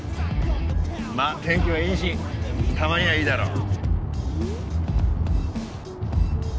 まぁ天気はいいしたまにはいいだろう。